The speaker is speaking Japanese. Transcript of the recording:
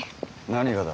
何がだ？